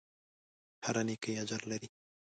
هره نېکۍ اجر لري.